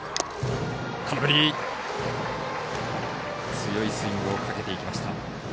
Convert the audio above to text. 強いスイングをかけていきました。